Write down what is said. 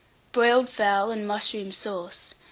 BROILED FOWL AND MUSHROOM SAUCE.